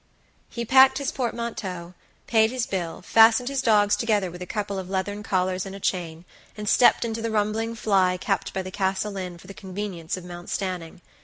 He packed his portmanteau, paid his bill, fastened his dogs together with a couple of leathern collars and a chain, and stepped into the rumbling fly kept by the Castle Inn for the convenience of Mount Stanning.